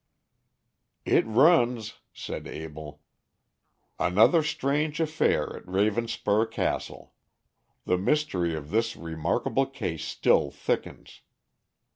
"It runs," said Abell, "'Another Strange Affair at Ravenspur Castle. The mystery of this remarkable case still thickens.